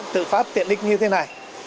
tự phát tiện ích như thế này